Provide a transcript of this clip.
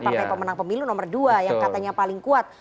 partai pemenang pemilu nomor dua yang katanya paling kuat